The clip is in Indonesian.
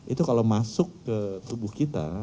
itu kalau masuk ke tubuh kita